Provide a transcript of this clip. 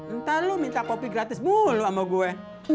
entah lo minta kopi gratis mulu sama gue